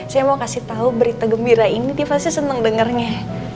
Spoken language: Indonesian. saya mau kasih tau berita gembira ini dia pasti seneng dengernya